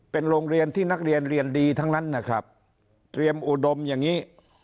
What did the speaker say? เป็นโรงเรียนที่นักเรียนเรียนดีทั้งนั้นนะครับเตรียมอุดมอย่างนี้